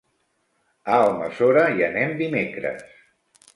A Almassora hi anem dimecres.